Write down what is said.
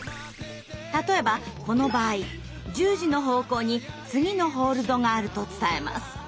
例えばこの場合１０時の方向に次のホールドがあると伝えます。